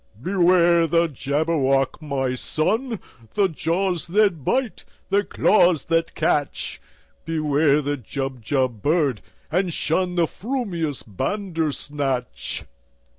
"Beware the Jabberwock, my son! The jaws that bite, the claws that catch! Beware the Jubjub bird, and shunThe frumious Bandersnatch!"